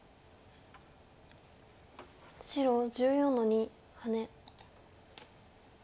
白１４の二ハネ。